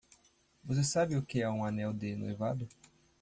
Você sabe o que é um anel de noivado?